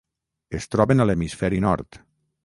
Es troben a l'hemisferi nord.